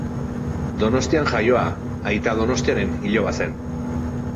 Donostian jaioa, Aita Donostiaren hiloba zen.